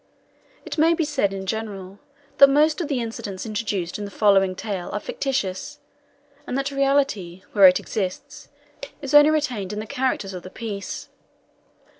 It may be said, in general, that most of the incidents introduced in the following tale are fictitious, and that reality, where it exists, is only retained in the characters of the piece.